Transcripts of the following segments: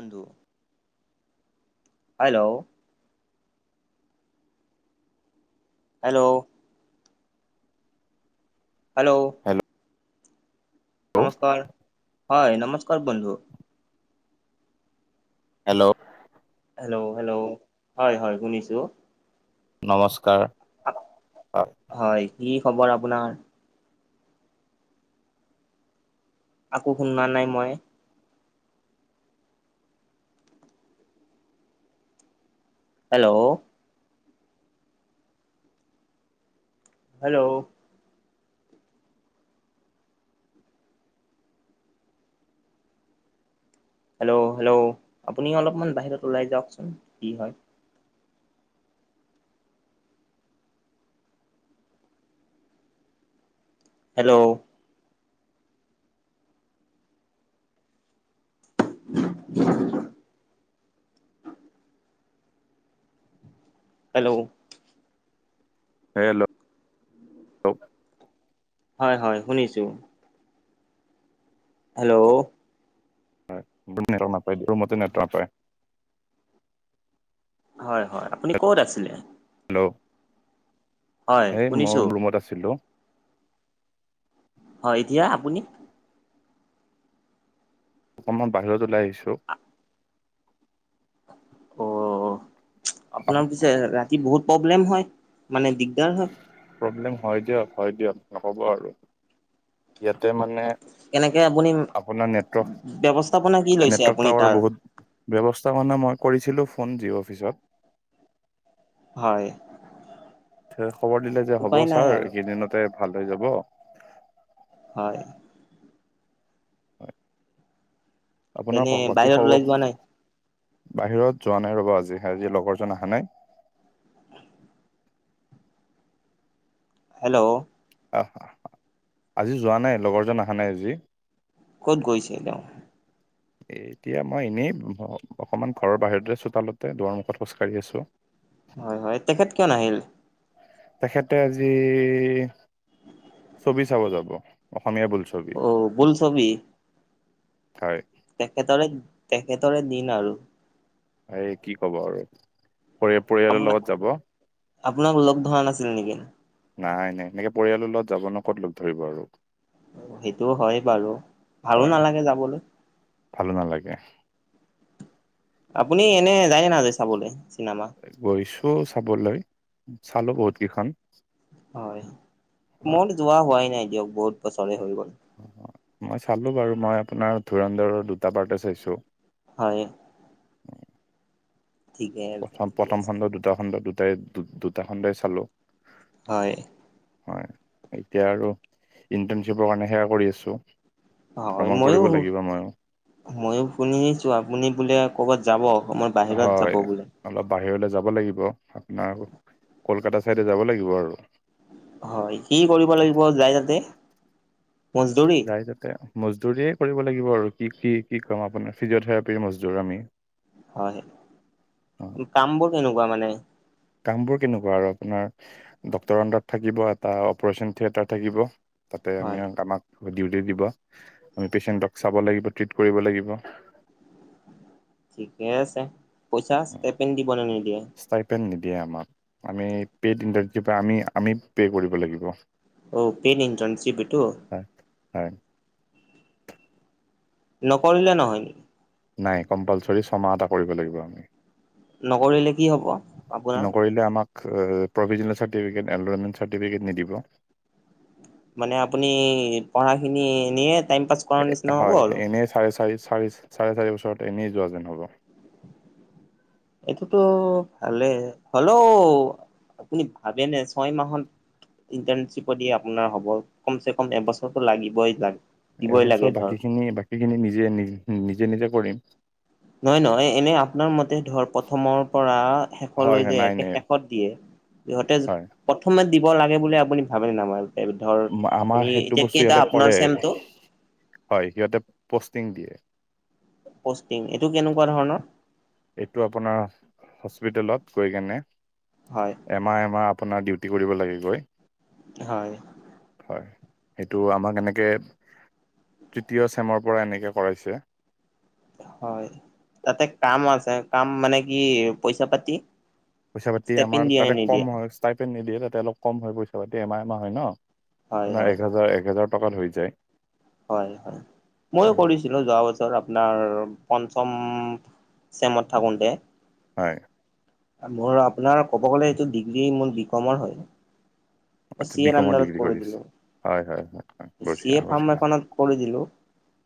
[unintelligible] Hello. Hello. Hello hello. নমস্কাৰ। হয়, নমস্কাৰ বন্ধু। হেল্ল'। হেল্ল', হেল্ল', হয় হয় শুনিছোঁ। নমস্কাৰ, অ'। হয়, কি খবৰ আপোনাৰ? আকৌ শুনা নাই মই। হেল্ল'। হেল্ল'। হেল্ল', হেল্ল', আপুনি অলপমান বাহিৰত ওলাই যাওকচোন কি হয়। হেল্ল'। [unintelligible] হেল্ল'। হেল্ল' হয়, হয়, শুনিছো। হেল্ল'। [unintelligible] নেটৱৰ্ক নাপাই। হয়, হয়, আপুনি ক'ত আছিলে? হেল্ল', হয় হেই মই শুনিছো ৰুমত আছিলোঁ। হয়, এতিয়া আপুনি? অকণমান বাহিৰত ওলাই আহিছোঁ। অ', আপোনাৰ পিছে ৰাতি বহুত প্ৰব্লেম হয়, মানে দিগদাৰ হয়। প্ৰব্লেম হয় দিয়ক, হয় দিয়ক, নক'ব আৰু। ইয়াতে মানে কেনেকে আপুনি, আপোনাৰ নেটৱৰ্ক ব্যৱস্থাপনা কি লৈছে নেটৱৰ্ক আপুনি টাৱাৰ তাৰ? বহুত ব্যৱস্থা মানে মই কৰিছিলোঁ ফোন জিঅ' অফিচত। হয়। খবৰ দিলে যে, হ'ব উপায় নাই ছাৰ আৰু এইকেইদিনতে ভাল হৈ যাব। হয়। হয়। আপোনাৰ এনে কওক বাকী বাহিৰত ওলাই খবৰ? যোৱা নাই বাহিৰত যোৱা নাই ৰ'বা আজি, আজি লগৰজন আহা নাই। হেল্ল'। আহ, আজি যোৱা নাই লগৰজন আহা নাই আজি। ক'ত গৈছে তেওঁ? এ এতিয়া মই এনেই অকমান ঘৰৰ বাহিৰতে চোতালতে দুৱাৰ মুখত খোজকাঢ়ি আছো। হয় হয়, তেখেত কিয় নাহিল? তেখেতে আজি, ছবি চাব যাব অসমীয়া বোলছবি। অ', বোলছবি। হয়। তেখেতৰে, তেখেতৰে দিন আৰু। এই কি কবা আৰু। পৰি পৰিয়ালৰ আপাৰ, লগত যাব। আপোনাক লগ ধৰা নাছিল নিকি? নাই নাই, এনেকে পৰিয়ালৰ লগত যাব ন ক'ত লগ ধৰিব আৰু। সেইটোও হয় বাৰু ভালো হয় নালাগে যাবলৈ। ভালো নালাগে। আপুনি এনে যায় নে নাযায় চাবলে চিনেমা? গৈছো চাবলৈ, চালো বহুত কিখন। হয় মোৰো যোৱা হোৱাই নাই দিয়ক বহুত বছৰে হৈ গ'ল। মই চালো বাৰু মই আপোনাৰ ধোৰধৰৰ দুটা পাৰ্টে চাইছো। হয়। ঠিকে প্ৰথম ঠিকে প্ৰথম আছে খণ্ড দুটা খণ্ড দুটাই দুটা খণ্ডই চালো। হয়। হয় এতিয়া আৰু ইণ্টাৰণশ্বিপৰ কাৰণে সেয়া কৰি আছো। ভ্ৰমণ কৰিব লাগিব মইও। মইয়ো শুনিছো আপুনি বোলে ক'বাত যাব অকমান। হয়। অলপ বাহিৰলৈ যাব লাগিব আপোনাৰ কলকাতা চাইডে যাব লাগিব আৰু। হয় কি কৰিব লাগিব যায় তাতে মজদুৰি। তাতে মজদুৰিয়ে কৰিব লাগিব আৰু কি কি কি ক'ম আপোনাৰ ফিজিঅথেৰাপিৰ মজদুৰ আমি। হয় কাম বোৰ কেনেকুৱা মানে? কাম বোৰ কেনেকুৱা আৰু আপোনাৰ ডক্টৰ আনদাৰত থাকিব এটা অপাৰেচন থিয়েতাৰ থাকিব। তাতে হয় আমি আমাক ডিউটি দিব আমি পেচেণ্টক চাব লাগিব ট্ৰিট কৰিব লাগিব। ঠিকে আছে পইচা কেপেন দিব ‍নে নিদিয়ে? পেন নিদিয়ে আমাক আমি পে'ট ইণ্ডাষ্ট্ৰীৰ পৰা আমি আমি পে' কৰিব লাগিব। অ পেইড ইণ্টাৰ্ণশ্বিপ এইটো। হয় হয়। নকৰিলে নহয়। নাই কম্পালচৰি ছমাহ এটা কৰিব লাগিব আমি। নকৰিলে কি হ'ব আপোনাৰ? কৰিলে আমাক প্ৰভিজনেল চাৰ্টিফিকেট এনৰলমেণ্ট চাৰ্টিফিকেট নিদিব। মানে আপুনি পঢ়াখিনি এনেয়ে টাইম পাছ কৰাৰ নিচিনা হ'ব হয় আৰু এনেই চাৰে চাৰি চাৰি চাৰে চাৰি বছৰত এনেই যোৱা যেন হ'ব। এইটোতো ভালে হলেও আপুনি ভাবেনে ছয় মাহত ইণ্টাৰ্ণশ্বিপত দি আপোনাৰ হ'ব কমচে কম এবছৰটো লাগিবই যাক এবছৰ বাকী খিনি বাকী খিনি নিজে নি নিজে নিজে কৰিম। নহয় নহয় এনেই আপোনাৰ মতে ধৰ প্ৰথমৰ পৰা হয় শেষলৈ হয় যে নাই একে নাই শেষত দিয়ে সিহঁতে হয় প্ৰথমে দিব লাগে বুলি আপুনি ভাবে নাই বাৰু ধৰ ম- আমাৰ আপুনি সেইটো এতিয়া বস্তু কেইটা ইয়াতে কৰে আপোনাৰ চেমটো? হয় সিহঁতে পষ্টিং দিয়ে। পষ্টিং, এইটো কেনেকুৱা ধৰণৰ? এইটো আপোনাৰ হস্পিটেলত গৈ কেনে। হয়। এমাহ এমাহ আপোনাৰ ডিউটি কৰিব লাগিবই। হয়। হয় সেইটো আমাক এনেকে তৃতীয় চেমৰ পৰা এনেকে কৰাইছে। হয় তাতে কাম আছে কাম মানে কি পইচা পাতি পইচা পাতি ষ্টেপিন আমাৰ দিয়ে নে তাতে নিদিয়ে কম হয়। তাতে নিদিয়ে তাতে অলপ কম হয় পইছা পাতি এমাহ এমাহ হয় ন হয় আপোনাৰ হয় এক হাজাৰ এক হাজাৰ টকাত হৈ যায়। হয় হয় ময়ো হয় কৰিছো। আছিলোঁ যোৱা বছৰ আপোনাৰ পঞ্চম চেমত থাকোতে। হয়। মোৰ আপোনাৰ ক'ব গ'লে এইটো ডিগ্ৰী মোৰ বি কমৰ হয়। মই আচ্ছা চি বি এৰ কমৰ আণ্ডাৰত ডিগ্ৰী কৰি আছে দিলো হয় হয়। হয় চি বঢ়িয়া এ ফাৰ্ম বঢ়িয়া এখনত কৰি দিলো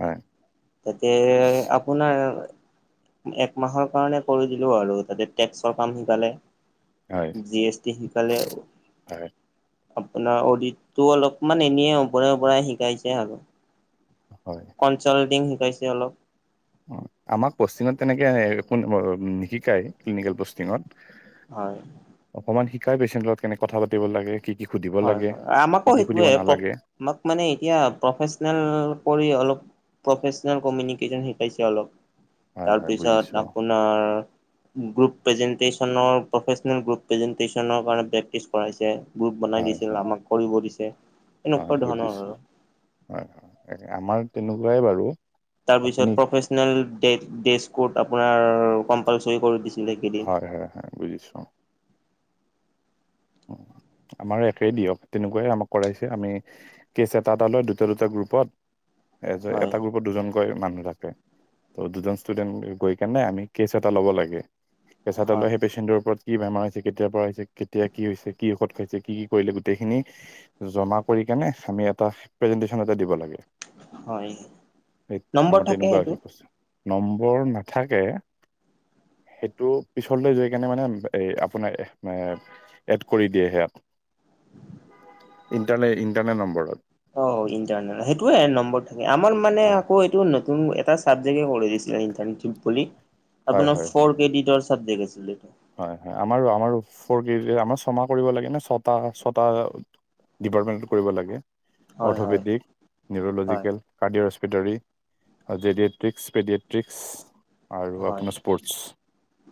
হয় তাতে শোনাৰ [unintelligible] একমাহৰ কাৰণে কৰি দিলো আৰু, তাতে টেক্সৰ কাম শিকালে। হয় জি এছ টি শিকালে। হয় আপোনাৰ অডিতটো অলপমান এনে ওপৰে উপৰে শিকাইছে আৰু। হয়। কনচাল্টিং শিকাইছে অলপ। অ' আমাক পষ্টিঙত তেনেকে, নিশিকাই, ক্লিনিকেল পষ্টিঙত। হয়। অকমান শিকাই পেচেণ্টৰ লগত কেনেক কথা পাতিব লাগে, কি কি সুধিব হয় লাগে, হয় আমাকো কি কি সেইটোৱে সুধিব নালাগে। আমাক মানে এতিয়া প্ৰফেচনেল কৰি অলপ প্ৰফেচনেল কমিনিকেশ্যন শিকাইছে অলপ, হয় হয় তাৰপিছত বুজিছোঁ আপোনাৰ গ্ৰুপ প্ৰেজেন্তেচনৰ প্ৰফেচনেল গ্ৰুপ প্ৰেজেন্তেচনৰ কাৰণে প্ৰেক্টিছ কৰাইছে, গ্ৰুপ বনাই হয় দিছিল হয় আমাক কৰিব দিছে। হয় এনেকুৱা ধৰণৰ বুজিছোঁ, আৰু হয় হয়, আমাৰ তেনেকুৱাই বাৰু। তাৰ পাছত আপুনি ফ্ৰফেচনেল দে, ডেক্স কোড আপোনাৰ কম্পালচৰি কৰি দিছে। হয়-হয় হয় বুজিছো। আমাৰ একেই দিয়ক, তেনেকুৱাই আমাক কৰাইছে, আমি কেচ এটা এটা লয় দুটা দুটা গ্ৰুপত এজ হয় এটা গ্ৰুপত দুজনকৈ মানুহ থাকে, ত' দুজন ষ্টুডেন্ট গৈ কেনে আমি কেচ এটা ল'ব লাগে। কেঁচা তালৰ হয় সেই পেচেণ্টোৰ ওপৰত কি বেমাৰ হৈছে কেতিয়াৰ পৰা হৈছে, ‌কেতিয়া কি হৈছে কি ঔষধ খাইছে, কি কি কৰিলে, গোটেইখিনি জমা কৰি কেনে, আমি এটা প্ৰেজেন্টেশ্বন এটা দিব লাগে। হয় স নম্বৰ আমাৰ থাকে তেনেকুৱা সেইটো হৈছিল, প্ৰশ্ন নম্বৰ নাথাকে। সেইটো পিছলৈ যৈ কেনে মানে, ‌এ আপোনাৰ কৰি দিয়ে সেয়াত। ইণ্টাৰনে, ইণ্টাৰনেট নম্বৰত। অ' ইটাৰনেট, সেইটোৱে নম্বৰ থাকে, আমাৰ মানে হয় আকৌ এইটো নতুন এটা চাবজেক্টে কৰি দিছে ইণ্টাৰনেট। [unintelligible] হয় আপোনাৰ হয় হয় ফৰ কেডৰ চাবজেক্ আছিলটো। হয় হয়, আমাৰো আমাৰো, ফৰ কেজি আমাৰ ছমাহ কৰিব লাগে ন, ছটা ছটা ডিপাৰ্টমেণ্টত কৰিব লাগে, হয় হয় অৰ্থপেডিক, হয় নিউৰলজিকেল কাৰ্ডিঅ', হস্পিটাৰী, জেডিয়েট্ৰিকস, পেডিয়েট্ৰিকস আৰু হয়। আপোনাৰ স্পৰ্টচ।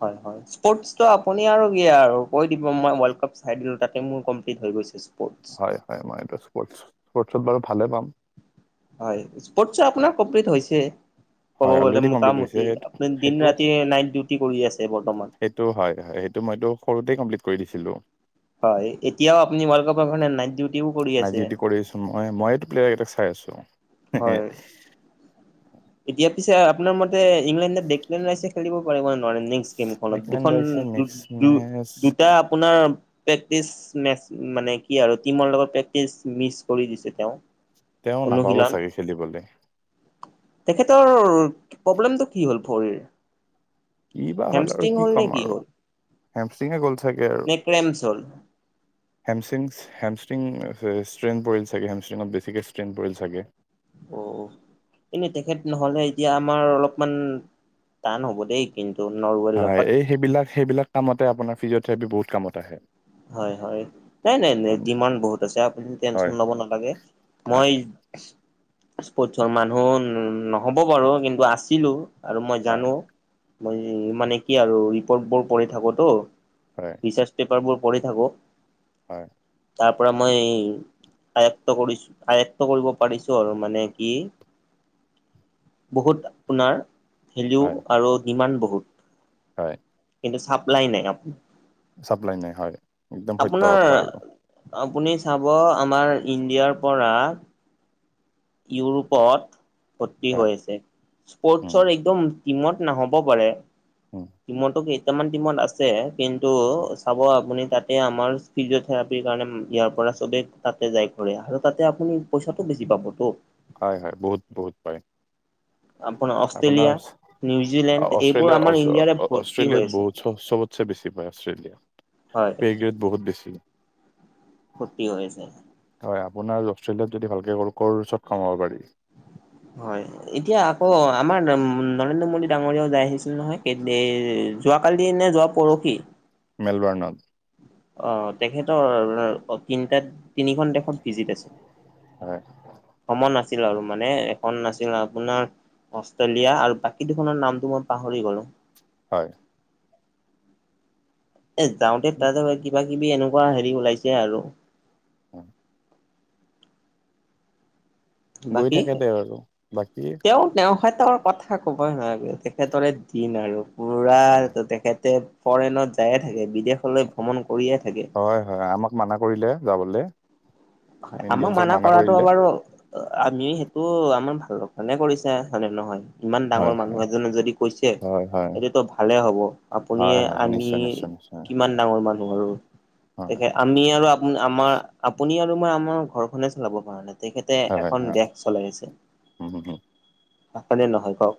হয় হয়। স্পৰ্টচটো আপুনি আৰু দিয়ে আৰু, কৈ দিব মই ৱৰ্ল্ড কাপ চাই দিলো তাতে মোৰ কমপ্লিট হৈ গৈছে। স্পৰ্টছ। হয় হয় মই এইটো, [unintelligible] বাৰু ভালে পাম। হয়, স্পৰ্ট চে আপোনাৰ কমপ্লিট হৈছে। ক'ব হয় গলে অলৰেডি কমপ্লিট হৈছে মোটামুটি, সেইটো আপুনি দিন সেইটো ৰাতি নাইট ডিউটি কৰি আছে বৰ্তমান। সেইটো হয় হয়, সেইটো মইতো সৰুতেই কমপ্লিট কৰি দিছিলোঁ। হয, এতিয়াও আপুনি ৱালপেপাৰ্ কাৰনে নাই ড নাই যিটো কৰি আছো মই, মই এইটো প্লেয়াৰ এটা চাই আছো, হয়। [unintelligible] এতিয়া পিছে আপোনাৰ মতে ইংলেণ্ডত [unintelligible] খেলিব পাৰিব নে নোৱাৰে নেক্স [unintelligible] নেকলেন দুখন, ৰাইছে নেক্সট মেচ দুটা আপোনাৰ প্ৰেটি মেচ, মানে কি আৰু টিমৰ লগত প্ৰে্টি মিচ কৰি দিছে তেওঁ। তেওঁ নাপাব অনুশীলন চাগে খেলিবলে। তেখেতৰ প্ৰব্লেমটো কি হ'ল ভৰিৰ? কি বা হ'ল আৰু, হেমষ্ট্ৰিং কি নে ক'ম আৰু, হ'ল হেমষ্টিঙে গ'ল চাগে আৰু। নে ক্ৰেমছ হ'ল হেমষ্টিং, হেমষ্টিং ষ্ট্ৰেইন পৰিল চাগে, হেমষ্টিঙত বেছিকৈ ষ্ট্ৰেইন পৰিল চাগে। অ অ এনেই তেখেত নহ'লে এতিয়া আমাৰ অলপমান টান হ'ব দেই কিন্তু নৰৱেল হয় লগত [unintelligible] এই সেইবিলাক সেইবিলাক কামতে আপোনাৰ ফিজিঅ'থেৰাপি বহুত কামত আহে হয় হয় নাই নাই হয় ডিমাণ্ড বহুত আছে আপুনি টেনশন হয় লব নালাগে মই হয় স্পৰ্টচৰ মানুহ নহ'ব পাৰো কিন্তু আছিলো আৰু মই হয় জানো মই মানে কি আৰু ৰিপৰ্ট বোৰ পঢ়ি থাকো তো হয় ৰিচাৰ্চ পেপাৰবোৰ পঢ়ি থাকো হয় তাৰ পৰা মই আয়ত্ত কৰিছো আয়ত্ত কৰিব পাৰিছো আৰু মানে কি বহুত আপোনাৰ ভেলিউ হয় আৰু ডিমাণ্ড বহুত হয় কিন্তু চাপ্লাই নাই আপ চাপ্লাই নাই হয়। একদম সত্য আপোনাৰ কথা আৰু আপুনি চাব আমাৰ ইণ্ডিয়াৰ পৰা ইউৰোপত ভৰ্তি হয় হৈ আছে উম, স্পৰ্টচৰ একদম টিমত নহ'ব পাৰে উম, টিমতো কেইটামান টিমত আছে কিন্তু উম। চাব আপুনি তাত এই আমাৰ ফিজিঅ'থেৰাপিৰ কাৰণে ইয়াৰ পৰা চবেই তাতে যায় ঘৰেয়া আৰু তাতে আপুনি পইচাটো বেছি পাব। টো হয় হয় বহুত বহুত পাৰে আপোন অষ্ট্ৰেলিয়া নিউজিলেণ্ড এইবোৰ অষ্ট্ৰেলিয়া অ- আমাৰ ইণ্ডিয়াৰে অ- ভৰ্তি অষ্ট্ৰেলিয়াত হৈ আছে। বহুত চ- হয় পেগৈত বহুত বেছি ফূৰ্তি হৈ আছে হয় আপোনাৰ অষ্ট্ৰেলিয়াত যদি ভালকে কৰ কৌৰৰ ওচৰত কমাব পাৰি হয় এতিয়া আকৌ আমাৰ নৰেন্দ্ৰ মোদী ডাঙৰীয়াও যাই আহিছিল নহয় যোৱাকালি নে যোৱ পৰহি মেলবৰ্ণৱ অ তেখেতৰ তিনিটাত তিনিখন দেশত ভিজিট আছিল হয় ভ্ৰমণ আছ ছিল আৰু মানে এখন নাছিল আপোনাৰ অষ্ট্ৰেলিয়া আৰু বাকী দুখনৰ নামটো মই পাহৰি গলো হয় এ যাওঁতে তাতে কিবা কিবি এনেকুৱা হেৰি ওলাইছে আৰু উম গৈ বাকী থাকে তেওঁ আৰু বাকী তেওঁ হেতৰ কথা ক'বই নালাগে তেখেতৰে দিন আৰু পোৰা হয় তেখেতে ফৰেনত যায়ে থাকে বিদেশলৈ ভ্ৰমণ কৰিয়ে থাকে। হয় হয় আমাক মানা কৰিলে যাবলে। হয় আমাক মানা কৰাটো বাৰু আমি সেইটো আমাৰ ভাল কাৰণে কৰিছে হয়নে নহয় ইমান হয় ডাঙৰ হয় মানুহ এজনে যদি কৈছে হয় হয় এইটোতো ভালে হব আপুনি হয় হয় হয় আমি নিশ্চয় নিশ্চয় নিশ্চয় কিমান ডাঙৰ মানুহ আৰু হয়। তেখে আমি আৰু আপ আমাৰ আপুনি আৰু মই আমাৰ ঘৰখনে চলাব পৰা নাই। তেখেতে হয় এখন হয় দেশ চলাই আছে, উম হুম হয় নে নহয় কওঁক?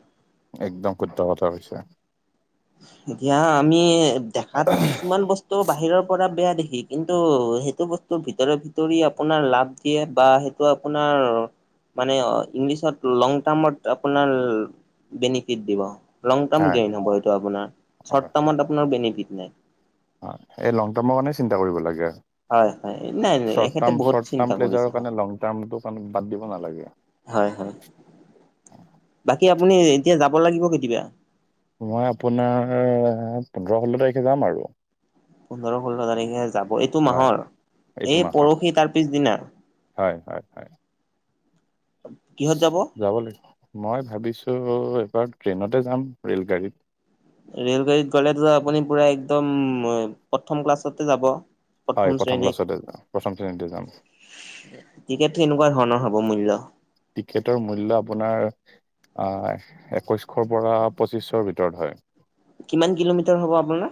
একদম শুদ্ধ কথা কৈছে। এতিয়া আমি দেখাত কিছুমান বস্ টো বাহিৰৰ পৰা বেয়া দেখি কিন্তু সেইটো বস্তুৰ ভিতৰে ভিতৰি আপোনাৰ লাভ দিয়ে বা সেই টো আপোনাৰ মানে ইংলিছত লং টাৰ্মত আপোনাৰ বেনিফিট দিব লং টাইম হয় গেন হ'ব সেইটো আপোনাৰ, চৰ্ত টাৰ্মত আপোনাৰ বেনিফিট নাই। অ', এই লং টাৰ্মৰ কাৰণে চিন্তা কৰিব লাগে। হয় হয় নাই নাই শ্বট এখেতে বহুত টাৰ্ম-শ্বট চিন্তা টাৰ্ম কৰিছে প্লেজাৰৰ হয় কাৰণে লং টাৰ্ম টো বাদ দিব নালাগে। হয়, হয়। বাকী আপুনি এতিয়া যাব লাগিব কেতিয়া? মই আপোনাৰ পোন্ধৰ ষোল্ল তাৰিখে যাম আৰু। পোন্ধৰ ষোল্ল তাৰিখে যাব এইটো হয় মাহৰ, এইটো এই মাহৰ পৰহি তাৰ পিছদিনা? হয় হয় হয় কিহত যাব? যাব লাগিব। মই ভাবিছোঁ এবাৰ ট্ৰেইনতে যাম ৰে'লগাড়ীত। ৰেল গাড়ীত গ'লেতো আপুনি পুৰা একদম প্ৰথম ক্লাছতে যাব। হয় প্ৰথম ক্লাছতে যাম, প্ৰথম শ্ৰেণীতে যাম। টিকেটটো কেনেকুৱা ধৰণৰ হব মূল্য? টিকেটৰ মূল্য আপোনাৰ আহ একৈশশৰ পৰা পঁচিশৰ ভিতৰত হয়। কিমান কিলোমিটাৰ হ'ব আপোনাৰ?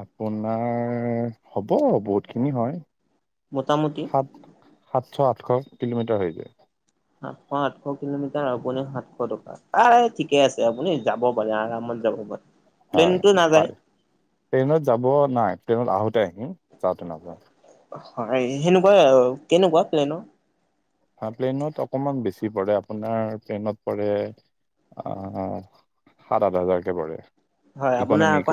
আপোনাৰ হ'ব, বহুত খিনি হয়। মোটামুটি? সাত সাতশ আঠশ কিলোমিটাৰ হৈ যায়। সাতশ আঠশ কিলোমিটাৰ আপুনি সাতশ টকা। আ ঠিকে আছে আপুনি যাব পাৰে আৰামত যাব পাৰে। হয় প্লেনটো নাযায় পাৰি ট্ৰেইনত যাব নাই ট্ৰেইনত আহোতে আহিম যাওঁতে নাযাওঁ। হয় সেনেকুৱা আৰু, কেনেকুৱা প্লেনৰ? হা প্লেইনত অকণমান বেছি পৰে আপোনাৰ প্লেনত পৰে সাত আঠ হাজাৰকে পৰে। হয় আপোনাৰ ইকনমিক অক